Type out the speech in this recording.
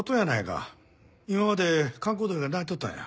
今まで閑古鳥が鳴いとったんや。